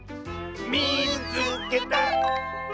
「みいつけた！」。